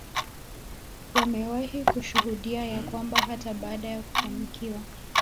wamewahi kushuhudia ya kwamba hata baada ya kufanikiwa